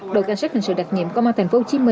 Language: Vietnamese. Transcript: đội cảnh sát hình sự đặc nhiệm công an tp hcm